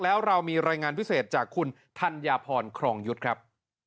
แล้วเรามีรายงานพิเศษจากคุณธัญพรครองยุทธ์ครับ